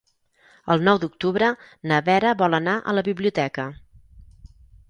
El nou d'octubre na Vera vol anar a la biblioteca.